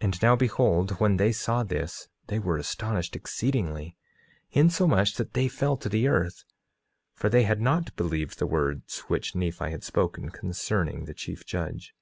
9:4 And now behold, when they saw this they were astonished exceedingly, insomuch that they fell to the earth; for they had not believed the words which Nephi had spoken concerning the chief judge.